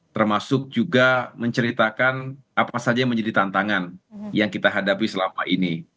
termasuk juga menceritakan apa saja yang menjadi tantangan yang kita hadapi selama ini